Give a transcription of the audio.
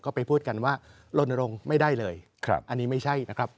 ก็ไปพูดกันว่าลนรงค์ไม่ได้เลยอันนี้ไม่ใช่นะครับ